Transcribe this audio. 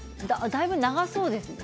だいぶ長そうですね。